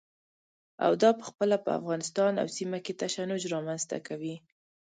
او دا پخپله په افغانستان او سیمه کې تشنج رامنځته کوي.